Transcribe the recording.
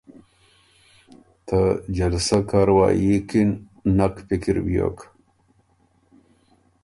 ته جلسه کاروايي کی ن نک پِکِر بیوک